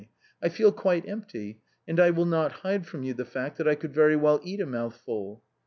" I feel quite empty, and I will not hide from you the fact that I could very well eat a mouthful."